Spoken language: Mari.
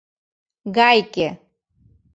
Гайке!